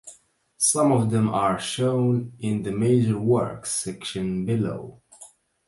Some of them are shown in the "Major works" section below.